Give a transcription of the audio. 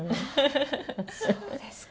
そうですか。